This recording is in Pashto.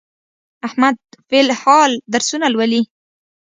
احمد فل الحال درسونه لولي.